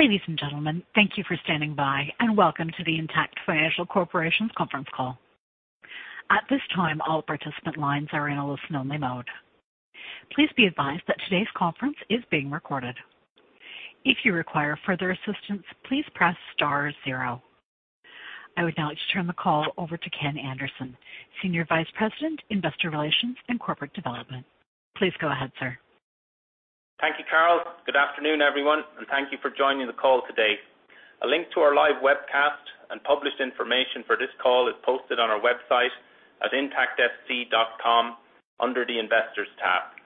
Ladies and gentlemen, thank you for standing by and welcome to the Intact Financial Corporation's conference call. At this time, all participant lines are in a listen-only mode. Please be advised that today's conference is being recorded. If you require further assistance, please press star zero. I would now like to turn the call over to Ken Anderson, Senior Vice President, Investor Relations and Corporate Development. Please go ahead, sir. Thank you, Charles. Good afternoon, everyone, and thank you for joining the call today. A link to our live webcast and published information for this call is posted on our website at intactfc.com under the Investors tab.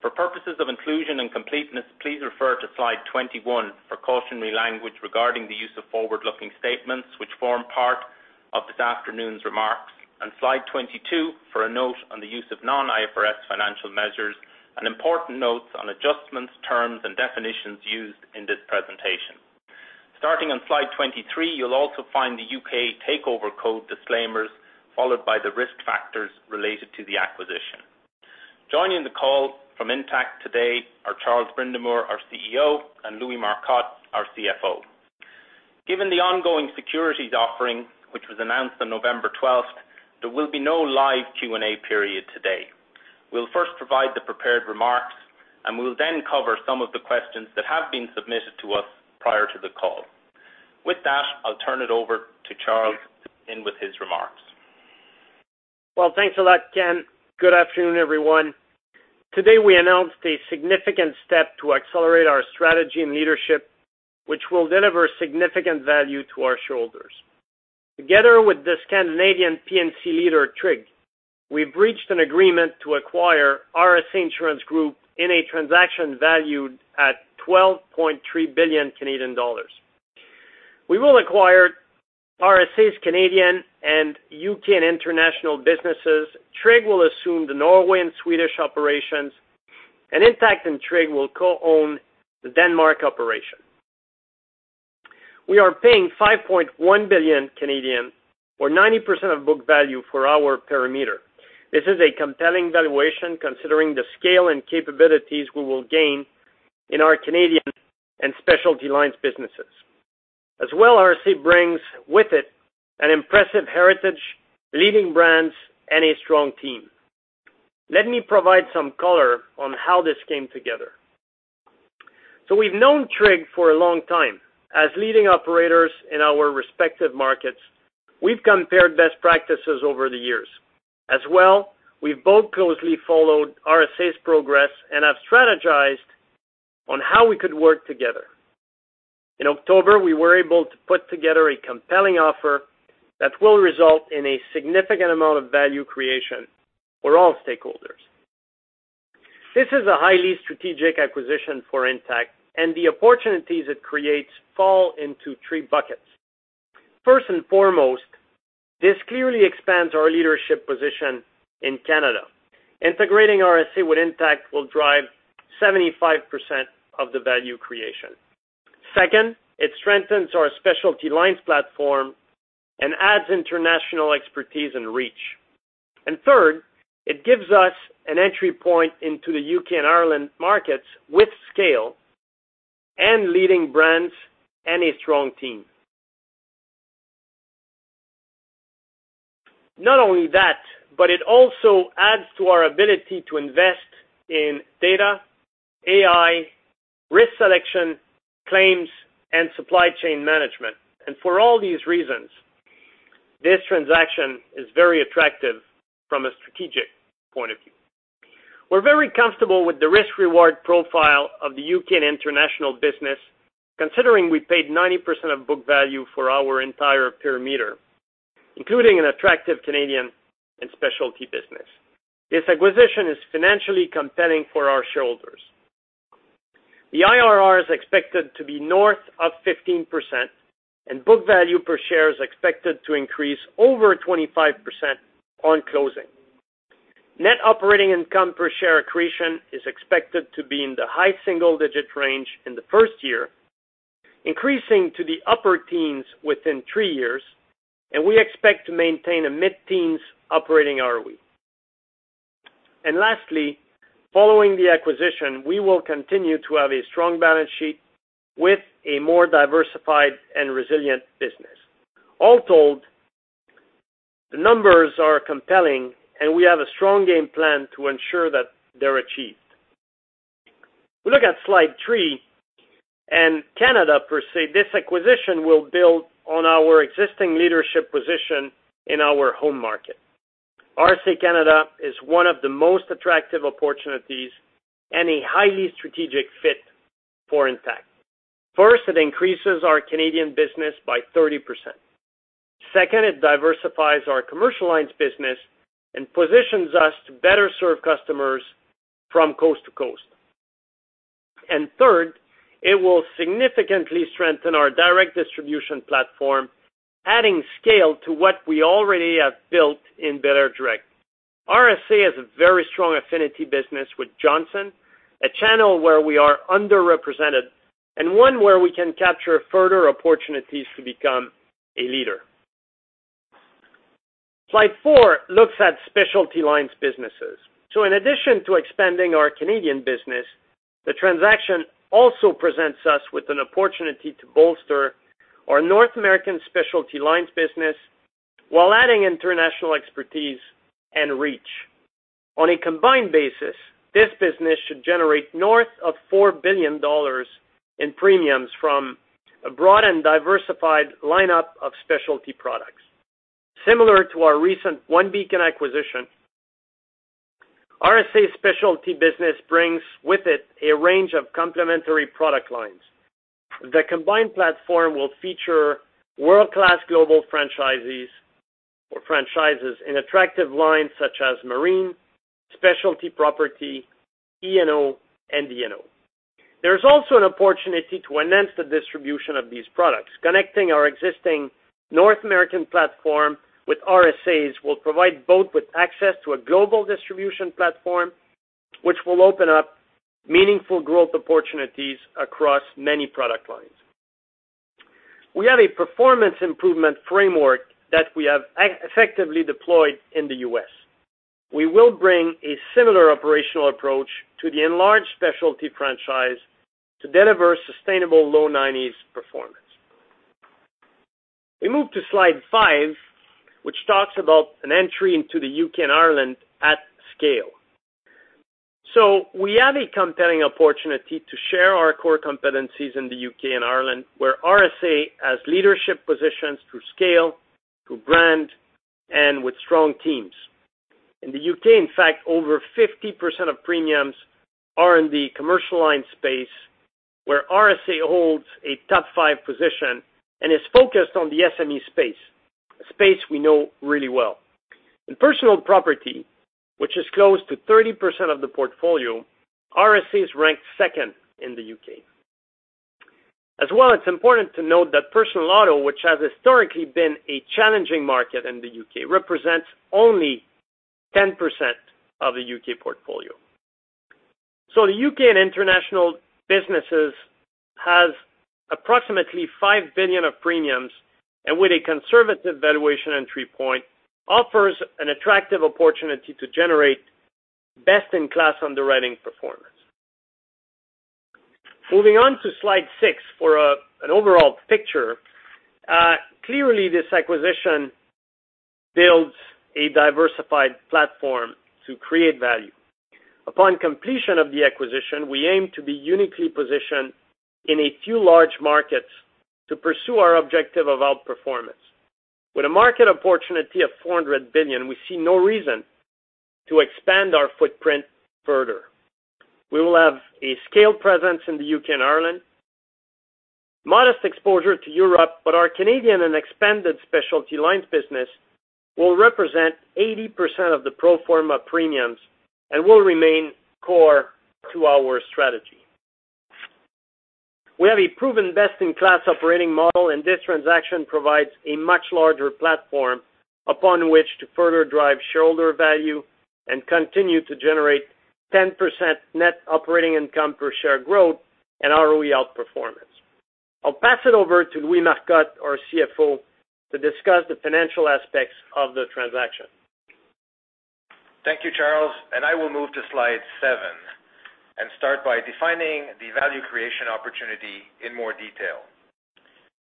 For purposes of inclusion and completeness, please refer to slide 21 for cautionary language regarding the use of forward-looking statements which form part of this afternoon's remarks, and slide 22 for a note on the use of non-IFRS financial measures and important notes on adjustments, terms, and definitions used in this presentation. Starting on slide 23, you'll also find the U.K. Takeover Code disclaimers followed by the risk factors related to the acquisition. Joining the call from Intact today are Charles Brindamour, our CEO, and Louis Marcotte, our CFO. Given the ongoing securities offering, which was announced on November 12th, there will be no live Q&A period today. We'll first provide the prepared remarks, and we'll then cover some of the questions that have been submitted to us prior to the call. With that, I'll turn it over to Charles to begin with his remarks. Well, thanks a lot, Ken. Good afternoon, everyone. Today we announced a significant step to accelerate our strategy and leadership, which will deliver significant value to our shareholders. Together with the Scandinavian P&C leader Tryg, we've reached an agreement to acquire RSA Insurance Group in a transaction valued at 12.3 billion Canadian dollars. We will acquire RSA's Canadian and U.K. and International businesses, Tryg will assume the Norway and Swedish operations, and Intact and Tryg will co-own the Denmark operation. We are paying 5.1 billion, or 90% of book value, for our perimeter. This is a compelling valuation considering the scale and capabilities we will gain in our Canadian and specialty lines businesses, as well as RSA brings with it an impressive heritage, leading brands, and a strong team. Let me provide some color on how this came together. So we've known Tryg for a long time. As leading operators in our respective markets, we've compared best practices over the years. As well, we've both closely followed RSA's progress and have strategized on how we could work together. In October, we were able to put together a compelling offer that will result in a significant amount of value creation for all stakeholders. This is a highly strategic acquisition for Intact, and the opportunities it creates fall into three buckets. First and foremost, this clearly expands our leadership position in Canada. Integrating RSA with Intact will drive 75% of the value creation. Second, it strengthens our specialty lines platform and adds international expertise and reach. Third, it gives us an entry point into the U.K. and Ireland markets with scale and leading brands and a strong team. Not only that, but it also adds to our ability to invest in data, AI, risk selection, claims, and supply chain management. For all these reasons, this transaction is very attractive from a strategic point of view. We're very comfortable with the risk-reward profile of the U.K. and international business considering we paid 90% of book value for our entire perimeter, including an attractive Canadian and specialty business. This acquisition is financially compelling for our shareholders. The IRR is expected to be north of 15%, and book value per share is expected to increase over 25% on closing. Net operating income per share accretion is expected to be in the high single-digit range in the first year, increasing to the upper teens within three years, and we expect to maintain a mid-teens operating ROE. Lastly, following the acquisition, we will continue to have a strong balance sheet with a more diversified and resilient business. All told, the numbers are compelling, and we have a strong game plan to ensure that they're achieved. We look at slide three, and Canada per se. This acquisition will build on our existing leadership position in our home market. RSA Canada is one of the most attractive opportunities and a highly strategic fit for Intact. First, it increases our Canadian business by 30%. Second, it diversifies our Commercial Lines business and positions us to better serve customers from coast to coast. And third, it will significantly strengthen our direct distribution platform, adding scale to what we already have built in belairdirect. RSA has a very strong affinity business with Johnson, a channel where we are underrepresented and one where we can capture further opportunities to become a leader. Slide four looks at Specialty Lines businesses. In addition to expanding our Canadian business, the transaction also presents us with an opportunity to bolster our North American Specialty Lines business while adding international expertise and reach. On a combined basis, this business should generate north of $4 billion in premiums from a broad and diversified lineup of specialty products. Similar to our recent OneBeacon acquisition, RSA's specialty business brings with it a range of complementary product lines. The combined platform will feature world-class global franchises in attractive lines such as marine, specialty property, E&O, and D&O. There is also an opportunity to enhance the distribution of these products. Connecting our existing North American platform with RSA's will provide both with access to a global distribution platform, which will open up meaningful growth opportunities across many product lines. We have a performance improvement framework that we have effectively deployed in the U.S. We will bring a similar operational approach to the enlarged specialty franchise to deliver sustainable low-90s performance. We move to slide five, which talks about an entry into the U.K. and Ireland at scale. So we have a compelling opportunity to share our core competencies in the U.K. and Ireland where RSA has leadership positions through scale, through brand, and with strong teams. In the U.K., in fact, over 50% of premiums are in the commercial line space where RSA holds a top 5 position and is focused on the SME space, a space we know really well. In personal property, which is close to 30% of the portfolio, RSA is ranked second in the U.K. As well, it's important to note that personal auto, which has historically been a challenging market in the U.K., represents only 10% of the U.K. portfolio. The U.K. and international businesses has approximately 5 billion of premiums and, with a conservative valuation entry point, offers an attractive opportunity to generate best-in-class underwriting performance. Moving on to slide six for an overall picture, clearly this acquisition builds a diversified platform to create value. Upon completion of the acquisition, we aim to be uniquely positioned in a few large markets to pursue our objective of outperformance. With a market opportunity of 400 billion, we see no reason to expand our footprint further. We will have a scale presence in the U.K. and Ireland, modest exposure to Europe, but our Canadian and expanded Specialty Lines business will represent 80% of the pro forma premiums and will remain core to our strategy. We have a proven best-in-class operating model, and this transaction provides a much larger platform upon which to further drive shareholder value and continue to generate 10% net operating income per share growth and ROE outperformance. I'll pass it over to Louis Marcotte, our CFO, to discuss the financial aspects of the transaction. Thank you, Charles. I will move to slide seven and start by defining the value creation opportunity in more detail.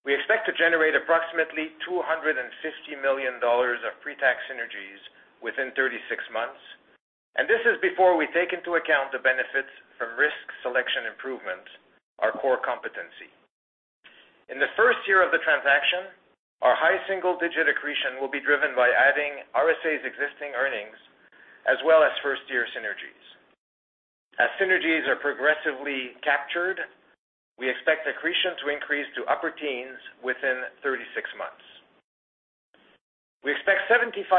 We expect to generate approximately 250 million dollars of pre-tax synergies within 36 months, and this is before we take into account the benefits from risk selection improvements, our core competency. In the first year of the transaction, our high single-digit accretion will be driven by adding RSA's existing earnings as well as first-year synergies. As synergies are progressively captured, we expect accretion to increase to upper teens within 36 months. We expect 75%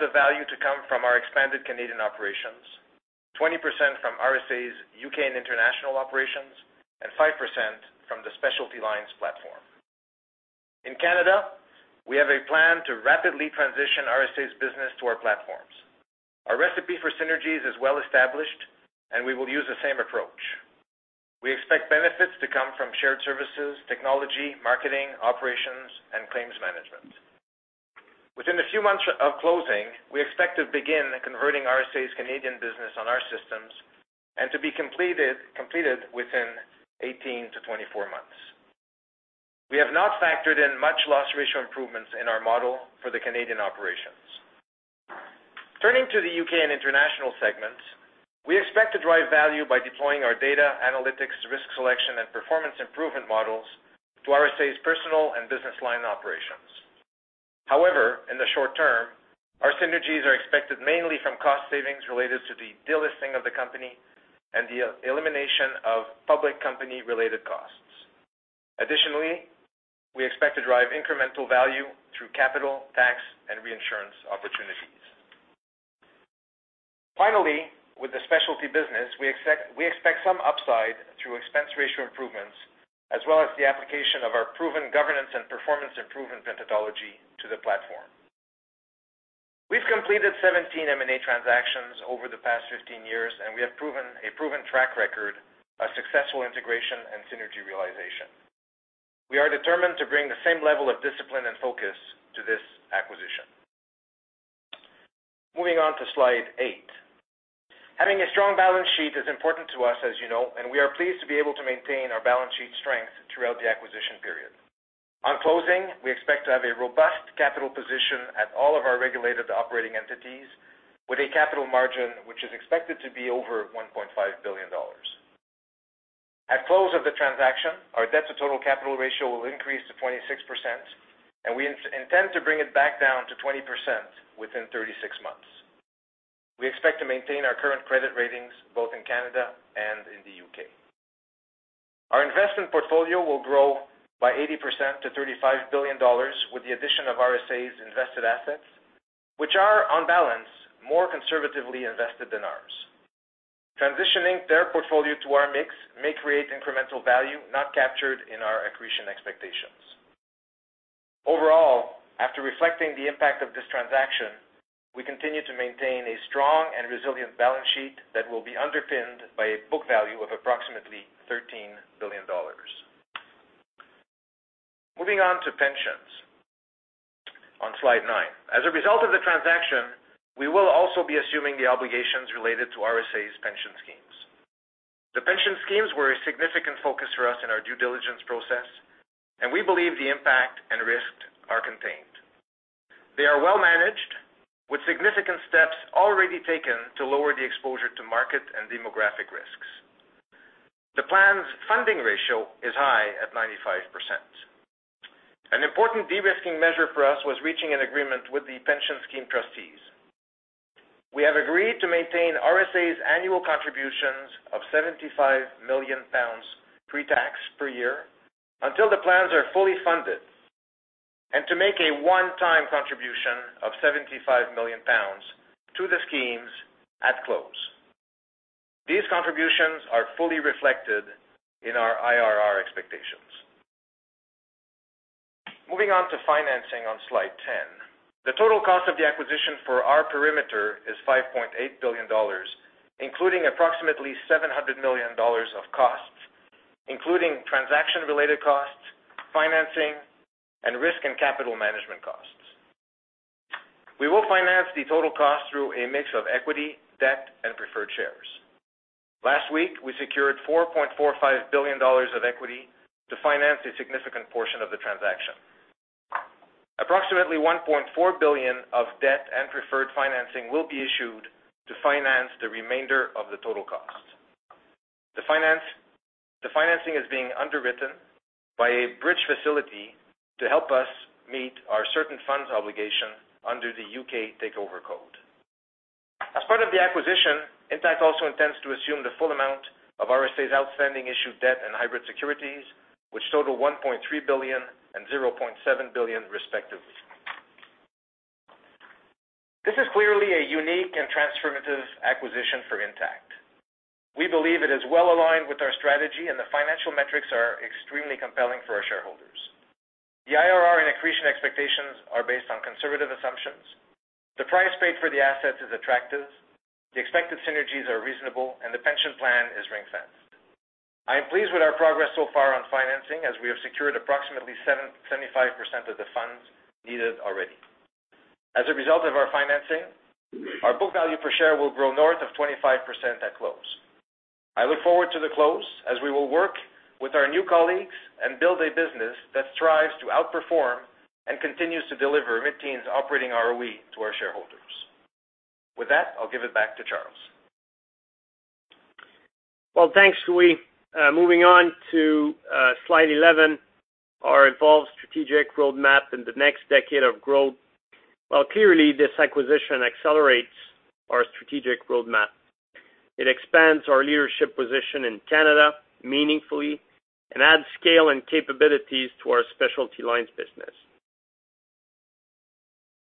of value to come from our expanded Canadian operations, 20% from RSA's U.K. and international operations, and 5% from the Specialty Lines platform. In Canada, we have a plan to rapidly transition RSA's business to our platforms. Our recipe for synergies is well established, and we will use the same approach. We expect benefits to come from shared services, technology, marketing, operations, and claims management. Within a few months of closing, we expect to begin converting RSA's Canadian business on our systems and to be completed within 18-24 months. We have not factored in much loss ratio improvements in our model for the Canadian operations. Turning to the U.K. and International segments, we expect to drive value by deploying our data, analytics, risk selection, and performance improvement models to RSA's personal and business line operations. However, in the short term, our synergies are expected mainly from cost savings related to the de-listing of the company and the elimination of public company-related costs. Additionally, we expect to drive incremental value through capital, tax, and reinsurance opportunities. Finally, with the Specialty business, we expect some upside through expense ratio improvements as well as the application of our proven governance and performance improvement methodology to the platform. We've completed 17 M&A transactions over the past 15 years, and we have a proven track record of successful integration and synergy realization. We are determined to bring the same level of discipline and focus to this acquisition. Moving on to slide eight. Having a strong balance sheet is important to us, as you know, and we are pleased to be able to maintain our balance sheet strength throughout the acquisition period. On closing, we expect to have a robust capital position at all of our regulated operating entities with a capital margin which is expected to be over 1.5 billion dollars. At close of the transaction, our debt-to-total capital ratio will increase to 26%, and we intend to bring it back down to 20% within 36 months. We expect to maintain our current credit ratings both in Canada and in the U.K. Our investment portfolio will grow by 80% to 35 billion dollars with the addition of RSA's invested assets, which are, on balance, more conservatively invested than ours. Transitioning their portfolio to our mix may create incremental value not captured in our accretion expectations. Overall, after reflecting the impact of this transaction, we continue to maintain a strong and resilient balance sheet that will be underpinned by a book value of approximately 13 billion dollars. Moving on to pensions. On slide nine. As a result of the transaction, we will also be assuming the obligations related to RSA's pension schemes. The pension schemes were a significant focus for us in our due diligence process, and we believe the impact and risk are contained. They are well managed with significant steps already taken to lower the exposure to market and demographic risks. The plan's funding ratio is high at 95%. An important de-risking measure for us was reaching an agreement with the pension scheme trustees. We have agreed to maintain RSA's annual contributions of 75 million pounds pre-tax per year until the plans are fully funded and to make a one-time contribution of 75 million pounds to the schemes at close. These contributions are fully reflected in our IRR expectations. Moving on to financing on slide 10. The total cost of the acquisition for our perimeter is 5.8 billion dollars, including approximately 700 million dollars of costs, including transaction-related costs, financing, and risk and capital management costs. We will finance the total cost through a mix of equity, debt, and preferred shares. Last week, we secured 4.45 billion dollars of equity to finance a significant portion of the transaction. Approximately 1.4 billion of debt and preferred financing will be issued to finance the remainder of the total costs. The financing is being underwritten by a bridge facility to help us meet our certain funds obligation under the U.K. Takeover Code. As part of the acquisition, Intact also intends to assume the full amount of RSA's outstanding issued debt and hybrid securities, which total 1.3 billion and 0.7 billion, respectively. This is clearly a unique and transformative acquisition for Intact. We believe it is well aligned with our strategy, and the financial metrics are extremely compelling for our shareholders. The IRR and accretion expectations are based on conservative assumptions. The price paid for the assets is attractive. The expected synergies are reasonable, and the pension plan is ring-fenced. I am pleased with our progress so far on financing as we have secured approximately 75% of the funds needed already. As a result of our financing, our book value per share will grow north of 25% at close. I look forward to the close as we will work with our new colleagues and build a business that strives to outperform and continues to deliver mid-teens operating ROE to our shareholders. With that, I'll give it back to Charles. Well, thanks, Louis. Moving on to slide 11, our evolved strategic roadmap in the next decade of growth. Well, clearly, this acquisition accelerates our strategic roadmap. It expands our leadership position in Canada meaningfully and adds scale and capabilities to our Specialty Lines business.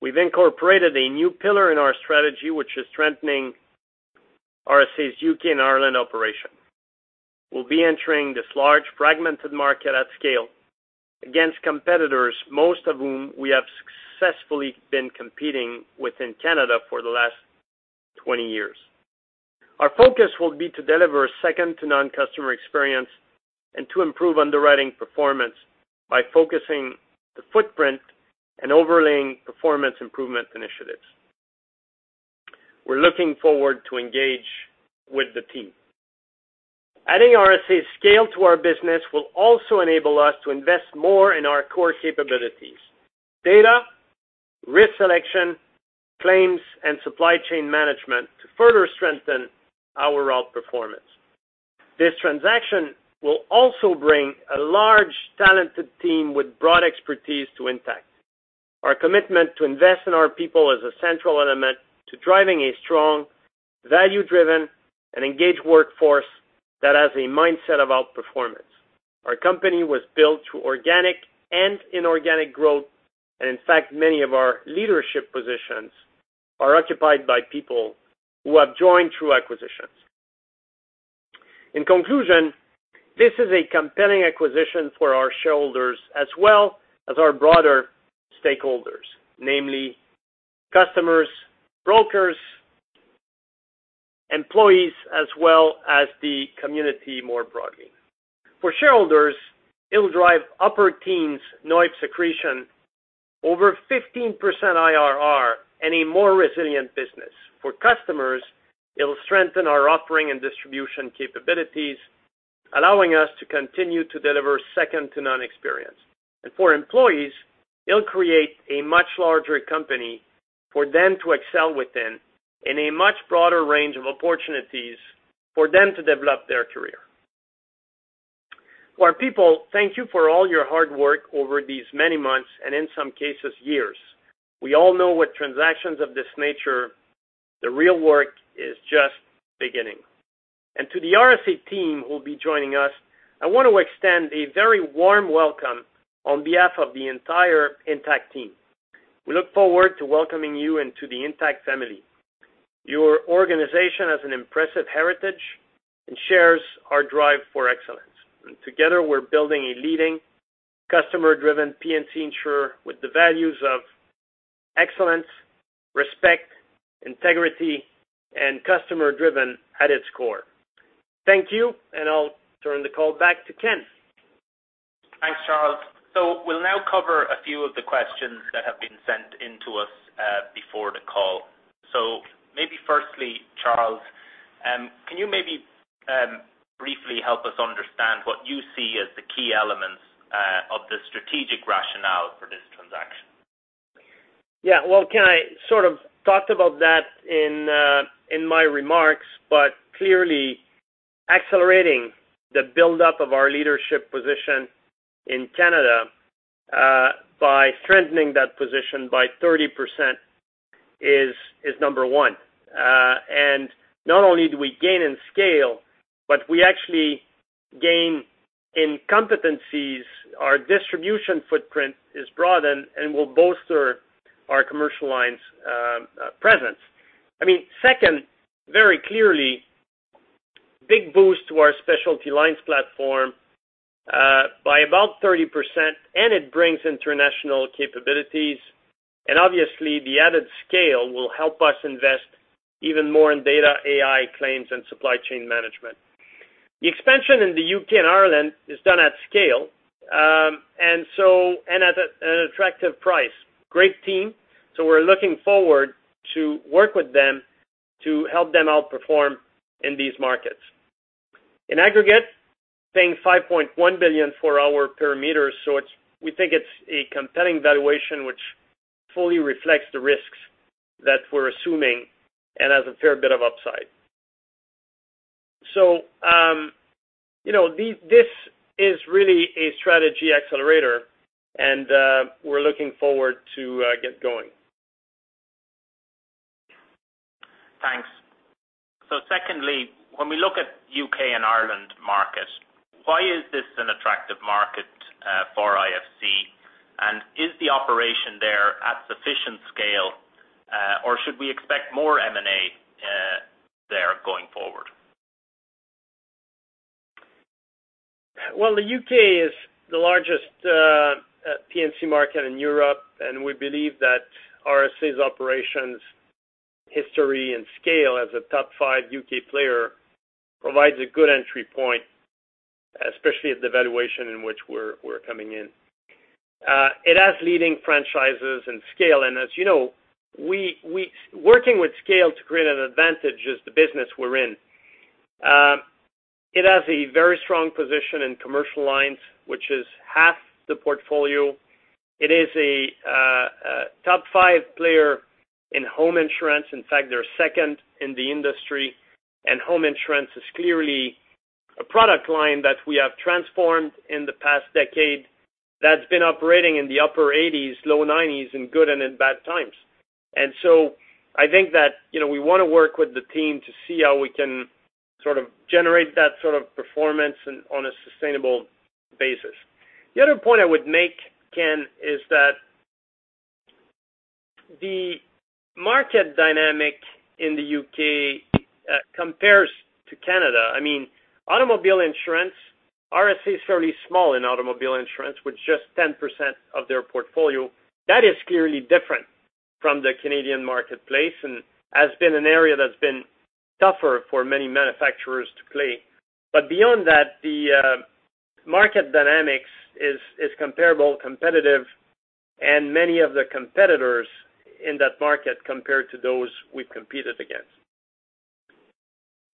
We've incorporated a new pillar in our strategy, which is strengthening RSA's U.K. and Ireland operation. We'll be entering this large, fragmented market at scale against competitors, most of whom we have successfully been competing with in Canada for the last 20 years. Our focus will be to deliver a second-to-none customer experience and to improve underwriting performance by focusing the footprint and overlaying performance improvement initiatives. We're looking forward to engage with the team. Adding RSA's scale to our business will also enable us to invest more in our core capabilities: data, risk selection, claims, and supply chain management to further strengthen our outperformance. This transaction will also bring a large, talented team with broad expertise to Intact. Our commitment to invest in our people is a central element to driving a strong, value-driven, and engaged workforce that has a mindset of outperformance. Our company was built through organic and inorganic growth, and in fact, many of our leadership positions are occupied by people who have joined through acquisitions. In conclusion, this is a compelling acquisition for our shareholders as well as our broader stakeholders, namely customers, brokers, employees, as well as the community more broadly. For shareholders, it'll drive upper teens NOIPS accretion, over 15% IRR, and a more resilient business. For customers, it'll strengthen our offering and distribution capabilities, allowing us to continue to deliver second-to-none experience. And for employees, it'll create a much larger company for them to excel within and a much broader range of opportunities for them to develop their career. To our people, thank you for all your hard work over these many months and, in some cases, years. We all know with transactions of this nature, the real work is just beginning. And to the RSA team who'll be joining us, I want to extend a very warm welcome on behalf of the entire Intact team. We look forward to welcoming you and to the Intact family. Your organization has an impressive heritage and shares our drive for excellence. And together, we're building a leading customer-driven P&C insurer with the values of excellence, respect, integrity, and customer-driven at its core. Thank you, and I'll turn the call back to Ken. Thanks, Charles. We'll now cover a few of the questions that have been sent into us before the call. Maybe firstly, Charles, can you maybe briefly help us understand what you see as the key elements of the strategic rationale for this transaction? Yeah. Well, I sort of talked about that in my remarks, but clearly, accelerating the buildup of our leadership position in Canada by strengthening that position by 30% is number one. Not only do we gain in scale, but we actually gain in competencies. Our distribution footprint is broadened and will bolster our Commercial Lines' presence. I mean, second, very clearly, big boost to our Specialty Lines platform by about 30%, and it brings international capabilities. And obviously, the added scale will help us invest even more in data, AI, claims, and supply chain management. The expansion in the U.K. and Ireland is done at scale and at an attractive price. Great team. So we're looking forward to work with them to help them outperform in these markets. In aggregate, paying 5.1 billion for our perimeter, so we think it's a compelling valuation which fully reflects the risks that we're assuming and has a fair bit of upside. So this is really a strategy accelerator, and we're looking forward to get going. Thanks. So secondly, when we look at U.K. and Ireland markets, why is this an attractive market for IFC? And is the operation there at sufficient scale, or should we expect more M&A there going forward? Well, the U.K. is the largest P&C market in Europe, and we believe that RSA's operations, history, and scale as a top five U.K. player provides a good entry point, especially at the valuation in which we're coming in. It has leading franchises and scale. And as you know, working with scale to create an advantage is the business we're in. It has a very strong position in Commercial Lines, which is half the portfolio. It is a top five player in home insurance. In fact, they're second in the industry. And Home Insurance is clearly a product line that we have transformed in the past decade that's been operating in the upper 80s, low 90s, in good and in bad times. And so I think that we want to work with the team to see how we can sort of generate that sort of performance on a sustainable basis. The other point I would make, Ken, is that the market dynamic in the U.K. compares to Canada. I mean, automobile insurance, RSA's fairly small in automobile insurance with just 10% of their portfolio. That is clearly different from the Canadian marketplace and has been an area that's been tougher for many manufacturers to play. But beyond that, the market dynamics is comparable, competitive, and many of the competitors in that market compared to those we've competed against.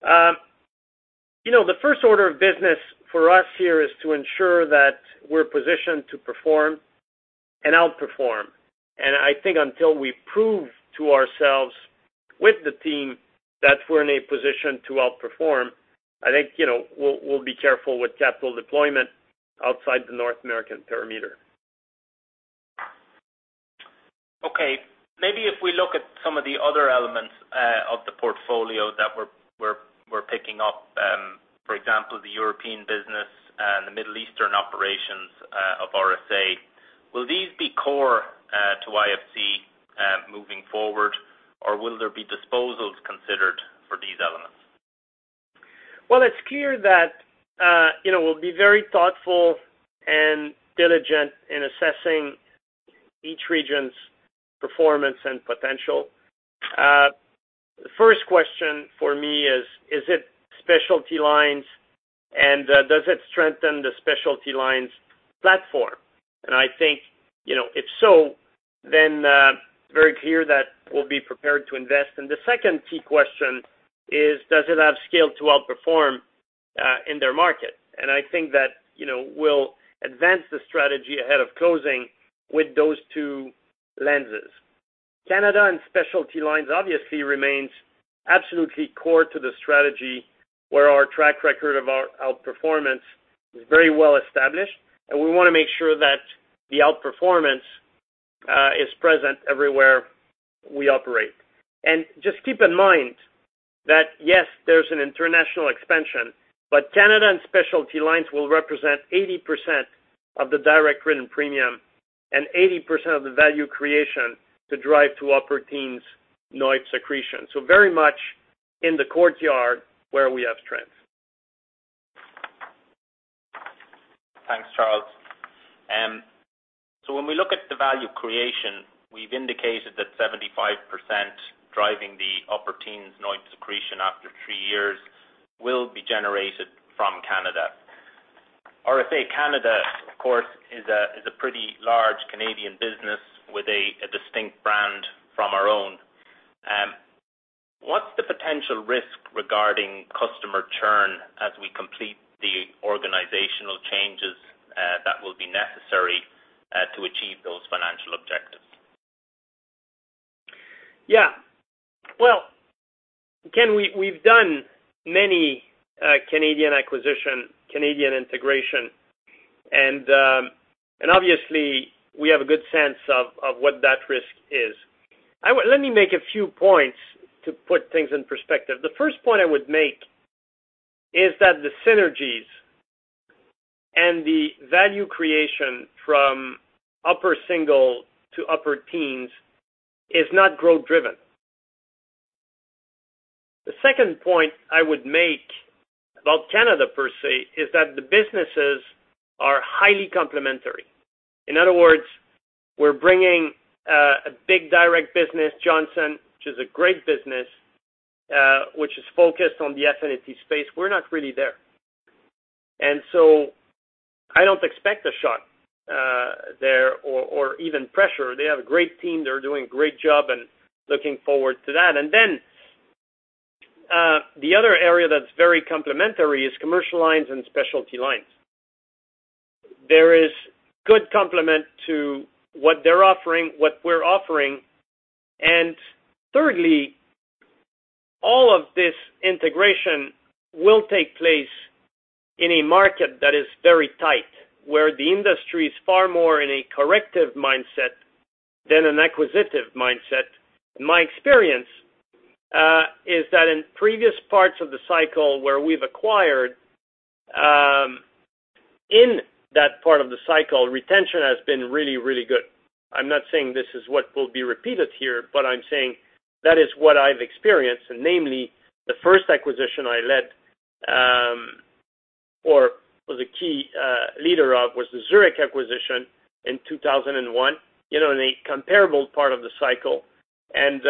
The first order of business for us here is to ensure that we're positioned to perform and outperform. And I think until we prove to ourselves with the team that we're in a position to outperform, I think we'll be careful with capital deployment outside the North American perimeter. Okay. Maybe if we look at some of the other elements of the portfolio that we're picking up, for example, the European business and the Middle Eastern operations of RSA, will these be core to IFC moving forward, or will there be disposals considered for these elements? Well, it's clear that we'll be very thoughtful and diligent in assessing each region's performance and potential. The first question for me is, is it Specialty Lines, and does it strengthen the Specialty Lines platform? And I think if so, then it's very clear that we'll be prepared to invest. And the second key question is, does it have scale to outperform in their market? And I think that we'll advance the strategy ahead of closing with those two lenses. Canada and Specialty Lines obviously remains absolutely core to the strategy where our track record of our outperformance is very well established, and we want to make sure that the outperformance is present everywhere we operate. Just keep in mind that, yes, there's an international expansion, but Canada and Specialty Lines will represent 80% of the direct written premium and 80% of the value creation to drive to upper teens NOIPS accretion. Very much in the backyard where we have strength. Thanks, Charles. So when we look at the value creation, we've indicated that 75% driving the upper teens NOIPS accretion after three years will be generated from Canada. RSA Canada, of course, is a pretty large Canadian business with a distinct brand from our own. What's the potential risk regarding customer churn as we complete the organizational changes that will be necessary to achieve those financial objectives? Yeah. Well, Ken, we've done many Canadian acquisition, Canadian integration, and obviously, we have a good sense of what that risk is. Let me make a few points to put things in perspective. The first point I would make is that the synergies and the value creation from upper single to upper teens is not growth-driven. The second point I would make about Canada per se is that the businesses are highly complementary. In other words, we're bringing a big direct business, Johnson, which is a great business, which is focused on the affinity space. We're not really there. And so I don't expect a shot there or even pressure. They have a great team. They're doing a great job and looking forward to that. And then the other area that's very complementary is Commercial Lines and Specialty Lines. There is good complement to what they're offering, what we're offering. And thirdly, all of this integration will take place in a market that is very tight where the industry is far more in a corrective mindset than an acquisitive mindset. My experience is that in previous parts of the cycle where we've acquired, in that part of the cycle, retention has been really, really good. I'm not saying this is what will be repeated here, but I'm saying that is what I've experienced, and namely, the first acquisition I led or was a key leader of was the Zurich acquisition in 2001 in a comparable part of the cycle. And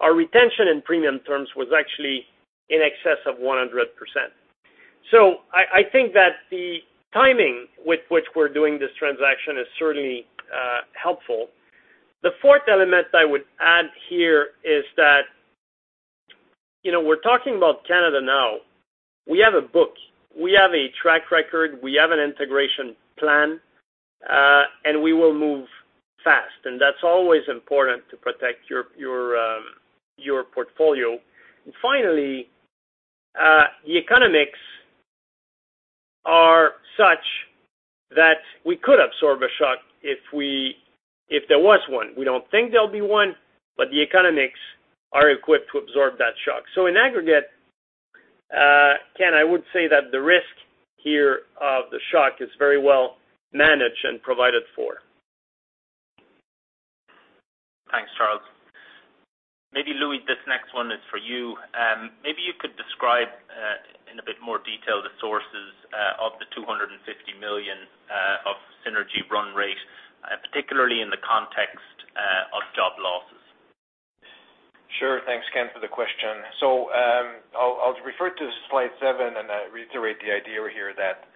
our retention in premium terms was actually in excess of 100%. So I think that the timing with which we're doing this transaction is certainly helpful. The fourth element I would add here is that we're talking about Canada now. We have a book. We have a track record. We have an integration plan, and we will move fast. That's always important to protect your portfolio. Finally, the economics are such that we could absorb a shock if there was one. We don't think there'll be one, but the economics are equipped to absorb that shock. In aggregate, Ken, I would say that the risk here of the shock is very well managed and provided for. Thanks, Charles. Maybe, Louis, this next one is for you. Maybe you could describe in a bit more detail the sources of the 250 million of synergy run rate, particularly in the context of job losses. Sure. Thanks, Ken, for the question. So I'll refer to slide 7 and reiterate the idea here that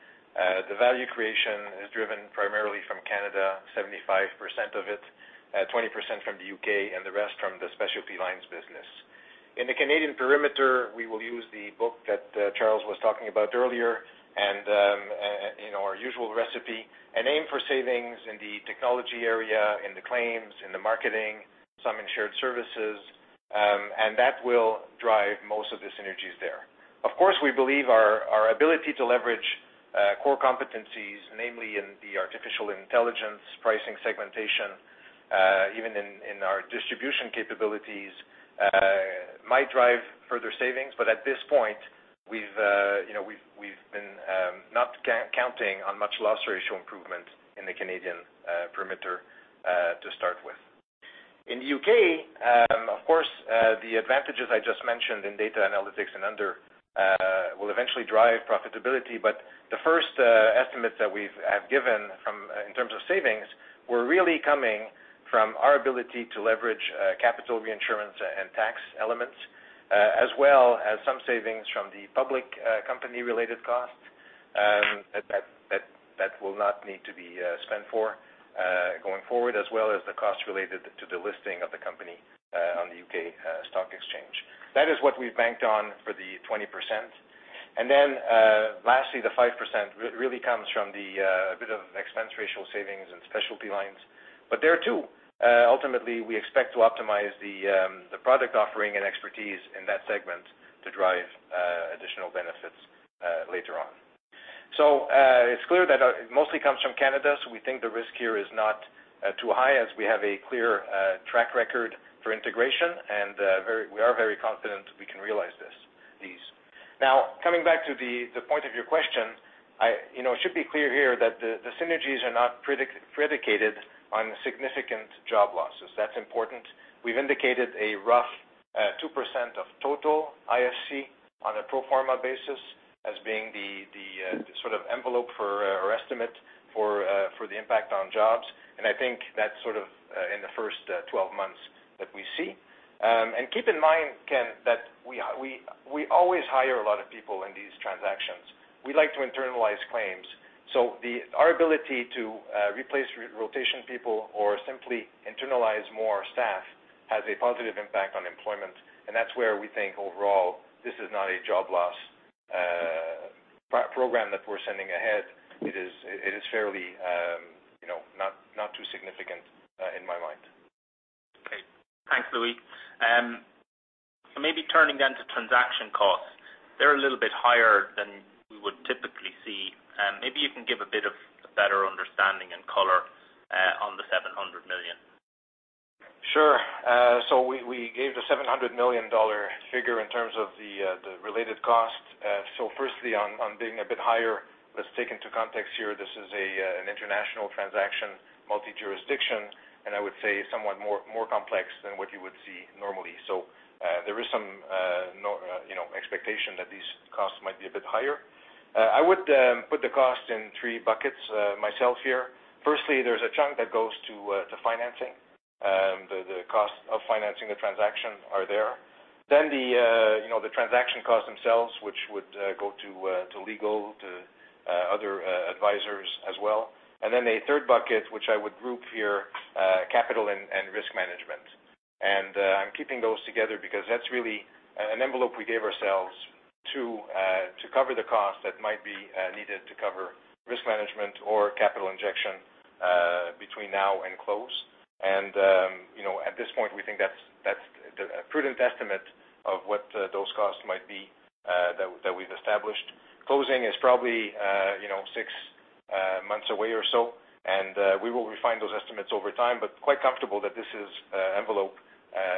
the value creation is driven primarily from Canada, 75% of it, 20% from the U.K., and the rest from the Specialty Lines business. In the Canadian perimeter, we will use the book that Charles was talking about earlier and our usual recipe and aim for savings in the technology area, in the claims, in the marketing, some insured services, and that will drive most of the synergies there. Of course, we believe our ability to leverage core competencies, namely in the artificial intelligence, pricing, segmentation, even in our distribution capabilities, might drive further savings. But at this point, we've been not counting on much loss ratio improvement in the Canadian perimeter to start with. In the U.K., of course, the advantages I just mentioned in data analytics and underwriting will eventually drive profitability. The first estimates that we have given in terms of savings were really coming from our ability to leverage capital reinsurance and tax elements as well as some savings from the public company-related costs that will not need to be spent going forward, as well as the costs related to the listing of the company on the U.K. Stock Exchange. That is what we've banked on for the 20%. Then lastly, the 5% really comes from a bit of expense ratio savings in Specialty Lines. There too, ultimately, we expect to optimize the product offering and expertise in that segment to drive additional benefits later on. It's clear that it mostly comes from Canada. So we think the risk here is not too high as we have a clear track record for integration, and we are very confident we can realize these. Now, coming back to the point of your question, it should be clear here that the synergies are not predicated on significant job losses. That's important. We've indicated a rough 2% of total IFC on a pro forma basis as being the sort of envelope or estimate for the impact on jobs. I think that's sort of in the first 12 months that we see. Keep in mind, Ken, that we always hire a lot of people in these transactions. We like to internalize claims. So our ability to replace rotation people or simply internalize more staff has a positive impact on employment. That's where we think overall, this is not a job loss program that we're sending ahead. It is fairly not too significant in my mind. Okay. Thanks, Louis. So maybe turning then to transaction costs. They're a little bit higher than we would typically see. Maybe you can give a bit of a better understanding and color on the 700 million. Sure. So we gave the 700 million dollar figure in terms of the related costs. So firstly, on being a bit higher, let's take into context here, this is an international transaction, multi-jurisdiction, and I would say somewhat more complex than what you would see normally. So there is some expectation that these costs might be a bit higher. I would put the cost in three buckets myself here. Firstly, there's a chunk that goes to financing. The costs of financing the transaction are there. Then the transaction costs themselves, which would go to legal, to other advisors as well. And then a third bucket, which I would group here, capital and risk management. And I'm keeping those together because that's really an envelope we gave ourselves to cover the costs that might be needed to cover risk management or capital injection between now and close. At this point, we think that's a prudent estimate of what those costs might be that we've established. Closing is probably six months away or so, and we will refine those estimates over time, but quite comfortable that this envelope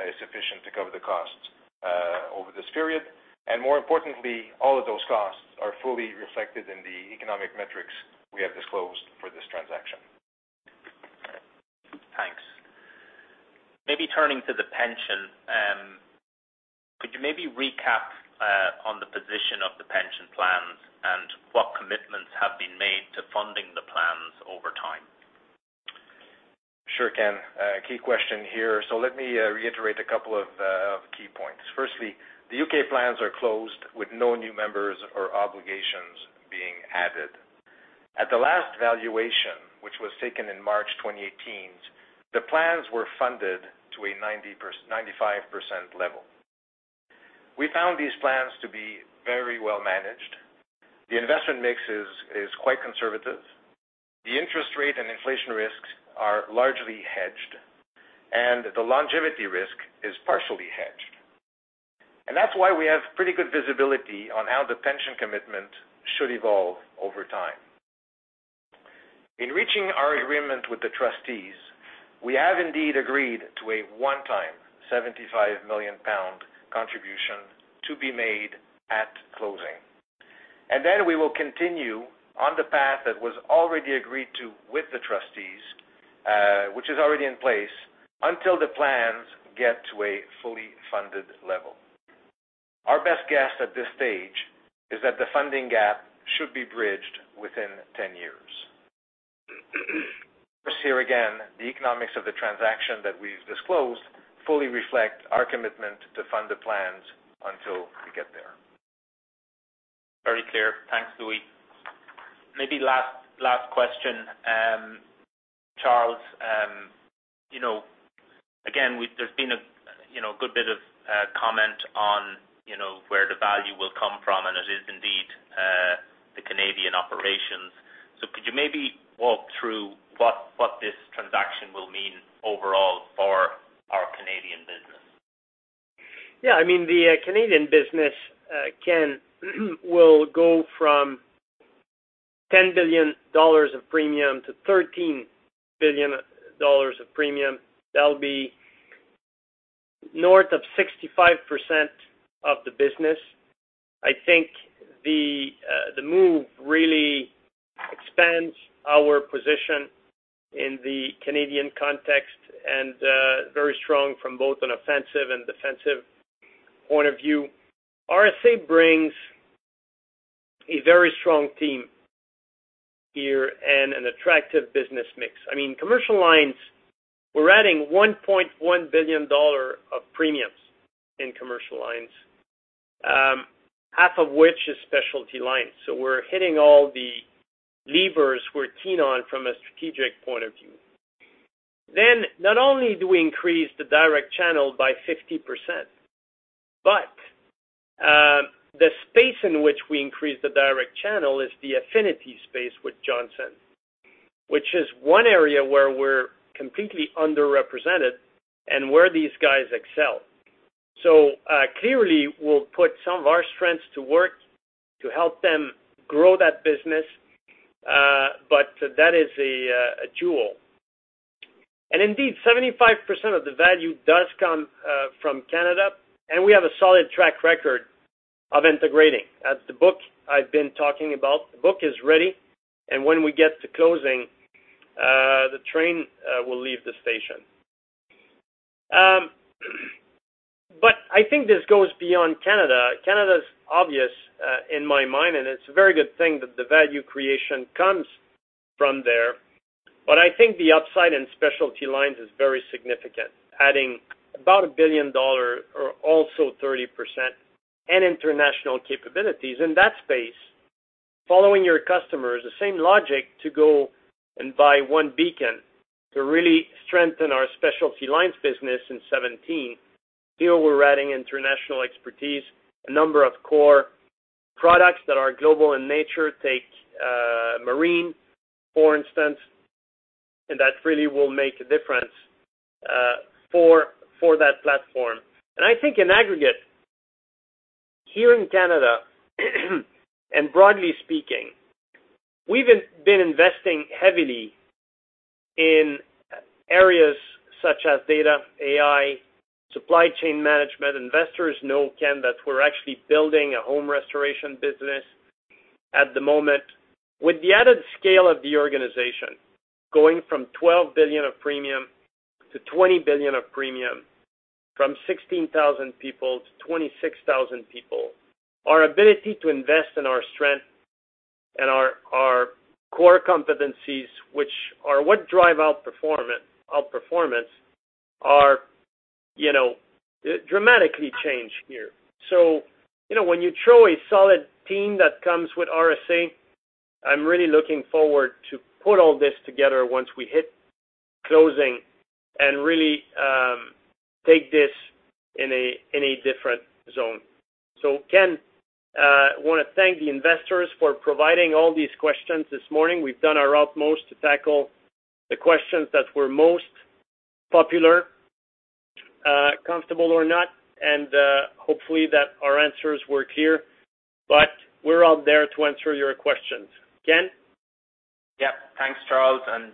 is sufficient to cover the costs over this period. More importantly, all of those costs are fully reflected in the economic metrics we have disclosed for this transaction. Thanks. Maybe turning to the pension, could you maybe recap on the position of the pension plans and what commitments have been made to funding the plans over time? Sure, Ken. Key question here. So let me reiterate a couple of key points. Firstly, the U.K. plans are closed with no new members or obligations being added. At the last valuation, which was taken in March 2018, the plans were funded to a 95% level. We found these plans to be very well managed. The investment mix is quite conservative. The interest rate and inflation risks are largely hedged, and the longevity risk is partially hedged. And that's why we have pretty good visibility on how the pension commitment should evolve over time. In reaching our agreement with the trustees, we have indeed agreed to a one-time 75 million pound contribution to be made at closing. And then we will continue on the path that was already agreed to with the trustees, which is already in place, until the plans get to a fully funded level. Our best guess at this stage is that the funding gap should be bridged within 10 years. Of course, here again, the economics of the transaction that we've disclosed fully reflect our commitment to fund the plans until we get there. Very clear. Thanks, Louis. Maybe last question, Charles. Again, there's been a good bit of comment on where the value will come from, and it is indeed the Canadian operations. So could you maybe walk through what this transaction will mean overall for our Canadian business? Yeah. I mean, the Canadian business, Ken, will go from 10 billion dollars of premium to 13 billion dollars of premium. That'll be north of 65% of the business. I think the move really expands our position in the Canadian context and very strong from both an offensive and defensive point of view. RSA brings a very strong team here and an attractive business mix. I mean, Commercial Lines, we're adding 1.1 billion dollar of premiums in Commercial Lines, half of which is Specialty Lines. So we're hitting all the levers we're keen on from a strategic point of view. Then not only do we increase the direct channel by 50%, but the space in which we increase the direct channel is the affinity space with Johnson, which is one area where we're completely underrepresented and where these guys excel. So clearly, we'll put some of our strengths to work to help them grow that business, but that is a jewel. And indeed, 75% of the value does come from Canada, and we have a solid track record of integrating. The book I've been talking about, the book is ready. And when we get to closing, the train will leave the station. But I think this goes beyond Canada. Canada is obvious in my mind, and it's a very good thing that the value creation comes from there. But I think the upside in Specialty Lines is very significant, adding about 1 billion dollars or also 30% and international capabilities. In that space, following your customers, the same logic to go and buy OneBeacon to really strengthen our Specialty Lines business in 2017, here we're adding international expertise, a number of core products that are global in nature, take marine, for instance, and that really will make a difference for that platform. And I think in aggregate, here in Canada and broadly speaking, we've been investing heavily in areas such as data, AI, supply chain management. Investors know, Ken, that we're actually building a home restoration business at the moment. With the added scale of the organization, going from 12 billion of premium to 20 billion of premium, from 16,000 people to 26,000 people, our ability to invest in our strength and our core competencies, which are what drive outperformance, are dramatically changed here. So when you throw a solid team that comes with RSA, I'm really looking forward to put all this together once we hit closing and really take this in a different zone. So Ken, I want to thank the investors for providing all these questions this morning. We've done our utmost to tackle the questions that were most popular, comfortable or not, and hopefully that our answers were clear. But we're out there to answer your questions. Ken? Yep. Thanks, Charles. And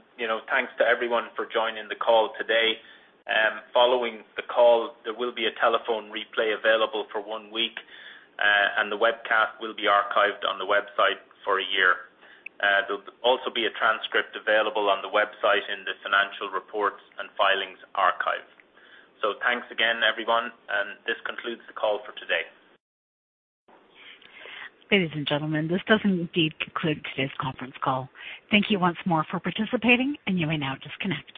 thanks to everyone for joining the call today. Following the call, there will be a telephone replay available for one week, and the webcast will be archived on the website for a year. There'll also be a transcript available on the website in the financial reports and filings archive. So thanks again, everyone. And this concludes the call for today. Ladies and gentlemen, this does indeed conclude today's conference call. Thank you once more for participating, and you may now disconnect.